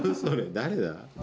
誰だ？